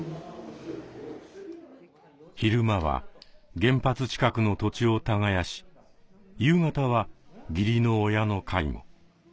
昼間は原発近くの土地を耕し夕方は義理の親の介護。